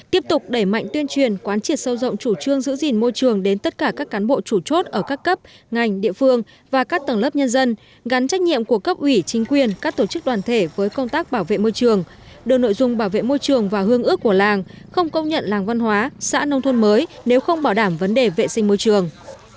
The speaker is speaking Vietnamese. tiếp tục đẩy mạnh tuyên truyền quán triệt sâu rộng chủ trương giữ gìn môi trường đến tất cả các cán bộ chủ chốt ở các cấp ngành địa phương và các tầng lớp nhân dân gắn trách nhiệm của cấp ủy chính quyền các tổ chức đoàn thể với công tác bảo vệ môi trường đưa nội dung bảo vệ môi trường và hương ước của làng không công nhận làng văn hóa xã nông thôn mới nếu không bảo đảm vấn đề vệ sinh môi trường